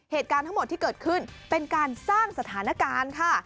เหตุการณ์ทั้งหมดที่เกิดขึ้นเป็นการสร้างสถานการณ์ค่ะ